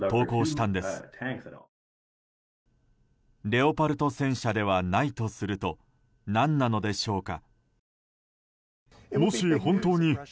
レオパルト戦車ではないとすると何なのでしょうか。